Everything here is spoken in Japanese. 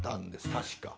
確か。